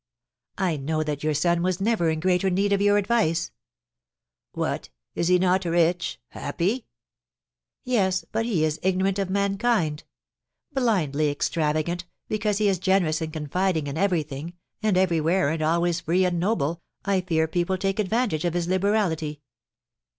"I know that your son was never in greater need of your advice." "What, is he not rich happy?" "Yes, but he is ignorant of mankind. Blindly extravagant, because he is generous and confiding in everything, and everywhere and always free and noble, I fear people take advantage of his liberality.